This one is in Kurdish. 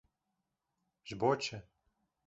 Ji bo çi?